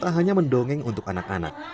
tak hanya mendongeng untuk anak anak